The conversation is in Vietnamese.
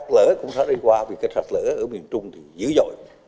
sọt lở cũng sẽ đi qua vì cái sọt lở ở miền trung thì dữ dội